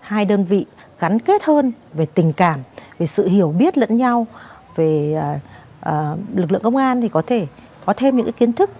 hai đơn vị gắn kết hơn về tình cảm về sự hiểu biết lẫn nhau về lực lượng công an thì có thể có thêm những kiến thức